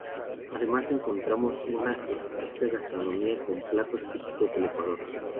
Además encontramos una exquisita gastronomía con platos típicos del Ecuador.